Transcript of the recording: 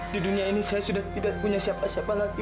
di dunia ini saya sudah tidak punya siapa siapa lagi